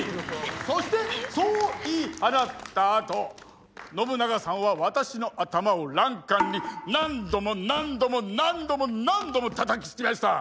そしてそう言い放ったあと信長さんは私の頭を欄干に何度も何度も何度も何度もたたきつけました。